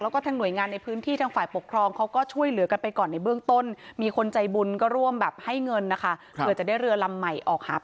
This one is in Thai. แล้วก็ทางหน่วยงานในภื้นที่